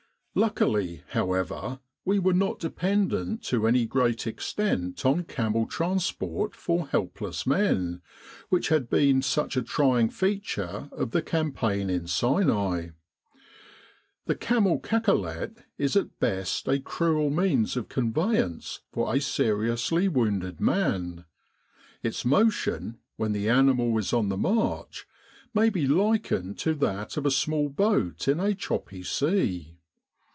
Luckily, however, we were not dependent to any great extent on camel transport for helpless men, which had been such a trying feature of the campaign in Sinai. The camel cacolet is at best a cruel means of conveyance for a seriously wounded man. Its motion, when the animal is on the march, may be likened to that of a small boat in a choppy sea.